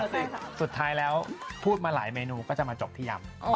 สุดท้ายแล้วพูดมาหลายเมนูก็จะมาจบที่ยำ